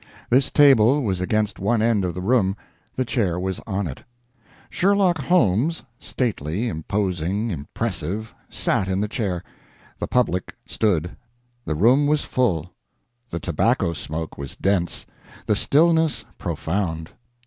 This table was against one end of the room; the chair was on it; Sherlock Holmes, stately, imposing, impressive, sat in the chair. The public stood. The room was full. The tobacco smoke was dense, the stillness profound.